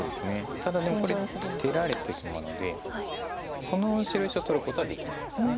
ただでもこれ出られてしまうのでこの白石を取ることはできないです。